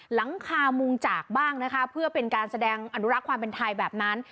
หลังคามุงจากบ้างนะคะเพื่อเป็นการแสดงอนุรักษ์ความเป็นไทยแบบนั้น